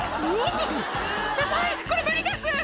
「先輩これ無理です」